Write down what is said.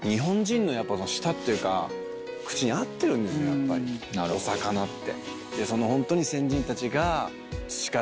やっぱりお魚って。